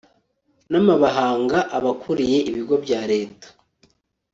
n amabahanga abakuriye ibigo bya leta